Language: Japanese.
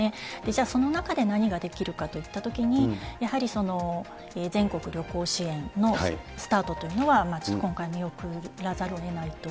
じゃあ、その中で何ができるかといったときに、やはりその全国旅行支援のスタートというのは、今回見送らざるをえないと。